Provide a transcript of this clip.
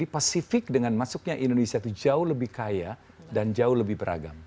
pasifik dengan masuknya indonesia itu jauh lebih kaya dan jauh lebih beragam